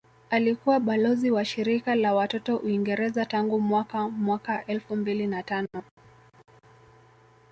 Alikuwa balozi wa shirika la watoto Uingereza tangu mwaka mwaka elfu mbili na tano